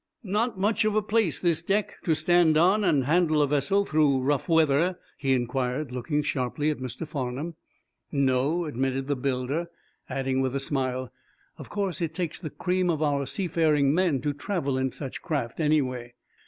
"Not much of a place, this deck, to stand on and handle a vessel through rough weather?" he inquired, looking sharply at Mr. Farnum. "No," admitted the builder, adding with a smile: "Of course, it takes the cream of our seafaring men to travel in such craft, anyway.